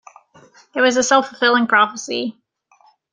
It was a self-fulfilling prophecy.